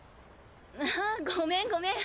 ああごめんごめん。